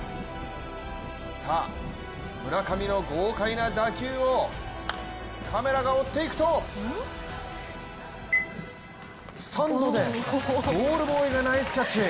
村上の豪快な打球をカメラが追っていくとスタンドでボールボーイがナイスキャッチ！